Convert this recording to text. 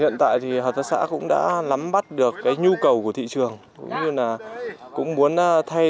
hiện tại thì hợp tác xã cũng đã lắm bắt được cái nhu cầu của thị trường cũng như là cũng muốn thay